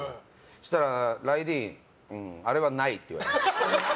そうしたら「ライディーン」あれはないって言われて。